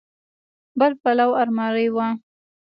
بل پلو المارۍ وه.